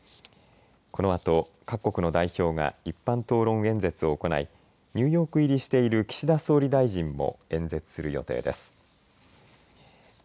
このあと各国の代表が一般討論演説を行いニューヨーク入りしている岸田総理大臣も演説する予定です。